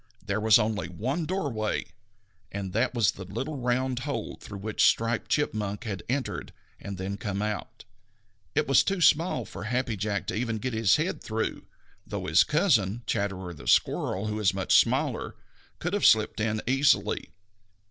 There was only one doorway, and that was the little round hole through which Striped Chipmunk had entered and then come out. It was too small for Happy Jack to even get his head through, though his cousin, Chatterer the Red Squirrel, who is much smaller, could have slipped in easily.